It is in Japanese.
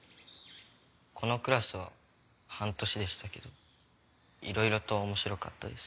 このクラスは半年でしたけどいろいろと面白かったです。